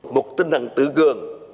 một tinh thần tự cường